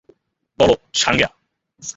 বলো, সাঙ্গেয়া।